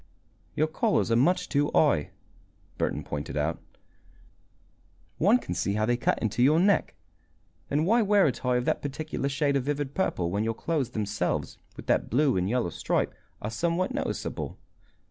"Your collars are much too high," Burton pointed out. "One can see how they cut into your neck. Then why wear a tie of that particular shade of vivid purple when your clothes themselves, with that blue and yellow stripe, are somewhat noticeable?